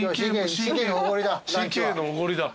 ＣＫのおごりだ。